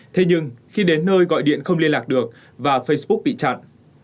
thế nhưng khi đến nơi gọi điện không liên lạc được và facebook bị chặn